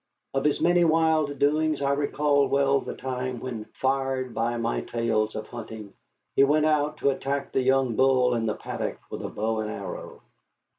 Of his many wild doings I recall well the time when fired by my tales of hunting he went out to attack the young bull in the paddock with a bow and arrow.